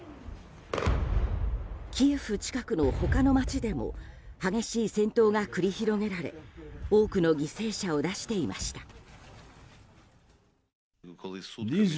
キエフ近くの他の街でも激しい戦闘が繰り広げられ多くの犠牲者を出していました。